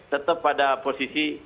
jadi harus jelas